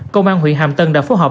công an huyện hàm tân đã phối hợp